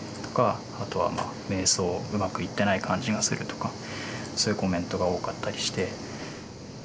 あとはまあ瞑想うまくいってない感じがするとかそういうコメントが多かったりして。